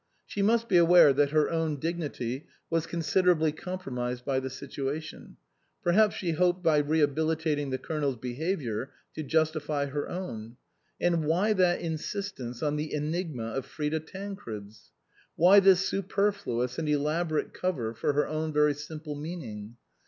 She must be aware that her own dignity was con siderably compromised by the situation ; perhaps she hoped by rehabilitating the Colonel's be haviour to justify her own. But why that insistence on the enigma of Frida Tancred's ? Why this superfluous and elaborate cover for her own very simple meaning?